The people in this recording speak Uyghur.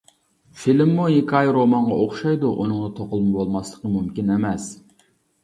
فىلىممۇ ھېكايە رومانغا ئوخشايدۇ، ئۇنىڭدا توقۇلما بولماسلىقى مۇمكىن ئەمەس.